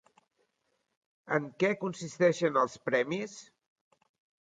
En què consisteixen els premis?